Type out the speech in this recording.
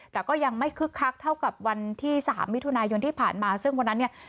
แต่ก็ยังไม่คึกคักเท่ากับวันที่สามมิถุนายนที่ผ่านมาซึ่งวันนั้นเนี่ย